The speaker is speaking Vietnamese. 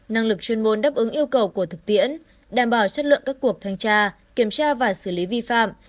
năng lực chuyên môn đáp ứng yêu cầu của thực tiễn đảm bảo chất lượng các cuộc thanh tra kiểm tra và xử lý vi phạm